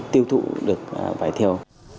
tiêu thụ được vải thiều